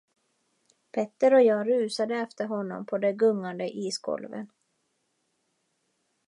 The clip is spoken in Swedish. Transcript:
Petter och jag rusade efter honom på de gungande isgolven.